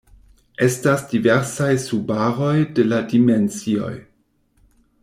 Estas diversaj subaroj de la dimensioj.